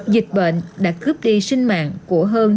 dịch bệnh đã cướp đi sinh mạng của hơn